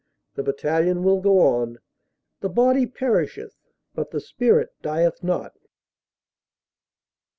The Battalion will go on. The body perisheth but the spirit dieth not.